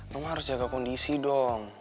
kamu harus jaga kondisi dong